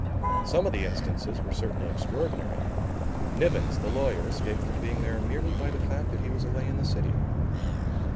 Some of the instances were certainly extraordinary. Nivens, the lawyer, escaped from being there merely by the fact that he was away in the city.